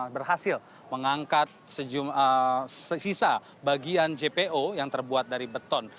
berhasil mengangkat sisa bagian jpo yang terbuat dari beton